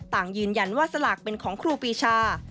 ต่างยืนยันว่าสลากเป็นของครูปีชา